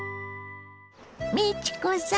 美智子さん